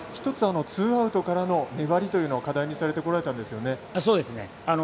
ツーアウトからの粘りというのを課題にされてこられたんですよね。